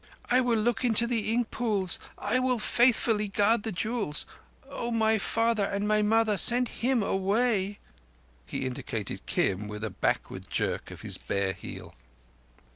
"I will look into the ink pools—I will faithfully guard the jewels! Oh, my Father and my Mother, send him away!" He indicated Kim with a backward jerk of his bare heel.